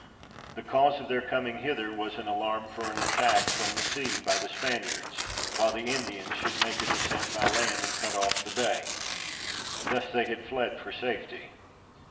The cause of their coming hither, was an alarm for an attack from the sea, by the Spaniards, while the Indians should make a descent by land, and cut off the Bay; thus they had fled for safety.